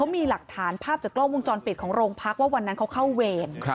มีหลักฐานภาพจากกล้องวงจรปิดของโรงพักว่าวันนั้นเขาเข้าเวร